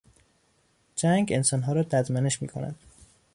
جنگ انسانها را ددمنش میکند.